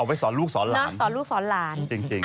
เอาไว้สอนลูกสอนหลานจริง